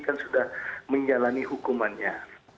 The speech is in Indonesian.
kan sudah menjalani hukumannya